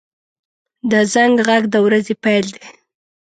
• د زنګ غږ د ورځې پیل دی.